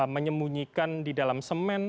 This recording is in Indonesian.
menyemunyikan di dalam semen